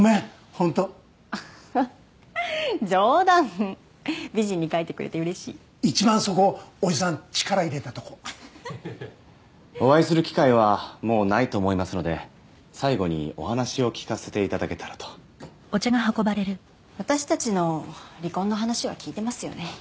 本当ははっ冗談美人に描いてくれてうれしい一番そこおじさん力入れたとこお会いする機会はもうないと思いますので最後にお話を聞かせていただけたらと私たちの離婚の話は聞いてますよね